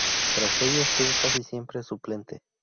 Tras ello, estuvo casi siempre como suplente.